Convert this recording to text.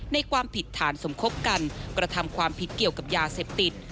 ความผิดฐานสมคบกันกระทำความผิดเกี่ยวกับยาเสพติด